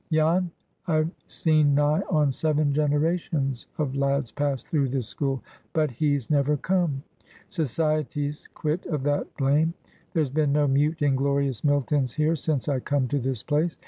Jan, I've seen nigh on seven generations of lads pass through this school, but he's never come! Society's quit of that blame. There's been no 'mute, inglorious Miltons' here since I come to this place.